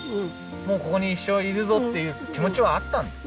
ここに一生いるぞっていう気持ちはあったんですね